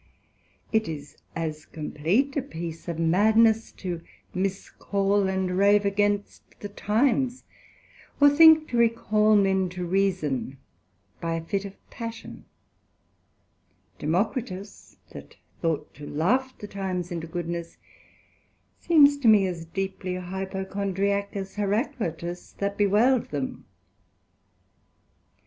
It is as compleat a piece of madness to miscal and rave against the times, or think to recal men to reason, by a fit of passion: Democritus, that thought to laugh the times into goodness, seems to me as deeply Hypochondriack, as Heraclitus that bewailed them.